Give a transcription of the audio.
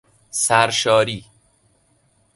سر شاری